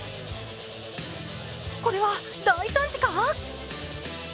これは大惨事か？